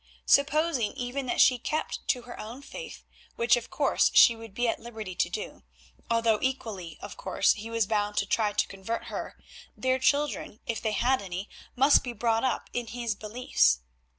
Supposing even that she kept to her own faith, which of course she would be at liberty to do, although equally, of course, he was bound to try to convert her, their children, if they had any, must be brought up in his beliefs.